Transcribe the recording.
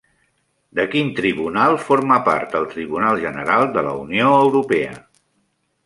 De quin tribunal forma part el Tribunal General de la Unió Europea?